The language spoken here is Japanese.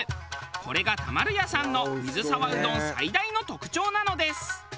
これが田丸屋さんの水沢うどん最大の特徴なのです。